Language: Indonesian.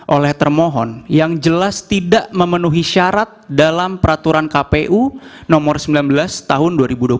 oleh termohon yang jelas tidak memenuhi syarat dalam peraturan kpu nomor sembilan belas tahun dua ribu dua puluh satu